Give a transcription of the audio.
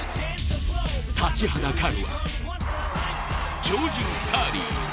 立ちはだかるは、超人・カーリー。